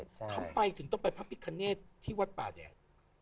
ทำไมถึงต้องไปพระพิคเนตที่วัดป่าแดด